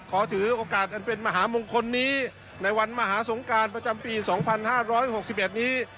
ขอถือโอกาสอันเป็นมหามงคลนี้ในวันมหาสงการประจำปีสองพันห้าร้อยหกสิบเอ็ดนี้